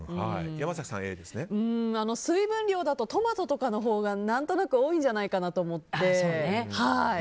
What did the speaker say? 水分量だとトマトとかのほうが何となく多いんじゃないかなと思って。